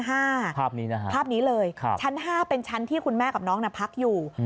ภาพนี้นะฮะภาพนี้เลยชั้น๕เป็นชั้นที่คุณแม่กับน้องพักอยู่